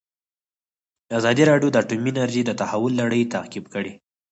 ازادي راډیو د اټومي انرژي د تحول لړۍ تعقیب کړې.